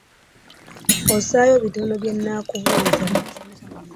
Ossaayo bitono bye banaakubuuza.